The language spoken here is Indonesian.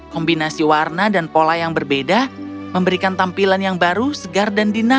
kombinasi warna dan pola yang berbeda memberikan tampilan yang baru segar dan dinami